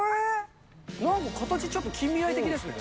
なんか形ちょっと近未来的ですね。